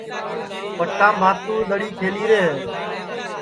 پٹام بھاتُو دؔڑی کھیلی رے ہے